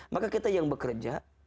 maka kita yang bekerja